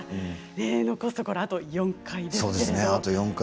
残すところあと４回ですね。